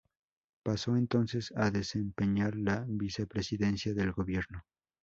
Pasó entonces a desempeñar la vicepresidencia del Gobierno.